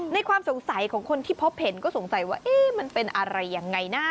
ความสงสัยของคนที่พบเห็นก็สงสัยว่ามันเป็นอะไรยังไงนะ